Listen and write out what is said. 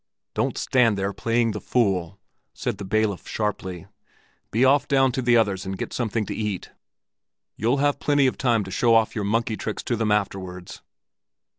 "Don't stand there playing the fool!" said the bailiff sharply. "Be off down to the others and get something to eat! You'll have plenty of time to show off your monkey tricks to them afterwards."